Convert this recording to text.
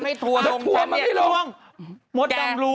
มดกล้องรู้หรอก